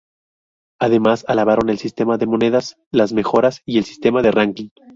Además alabaron el sistema de monedas, las mejoras y el sistema de ranking.